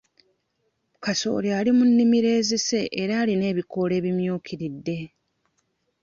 Kasooli ali mu nnimiro ezise era alina n'ebikoola ebimyukiridde.